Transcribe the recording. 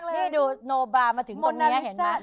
นี่ดูโนบรามาถึงตรงนี้เห็นไหม